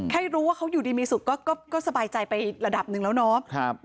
แค่รู้ว่าเขาอยู่ดีมีสุดก็สบายใจไประดับหนึ่งแล้วเนาะ